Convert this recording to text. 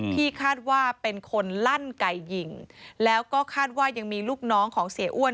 ที่คาดว่าเป็นคนลั่นไก่ยิงแล้วก็คาดว่ายังมีลูกน้องของเสียอ้วน